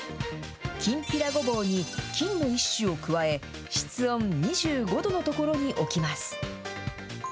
きんぴらごぼうに菌の一種を加え、室温２５度の所に置きます。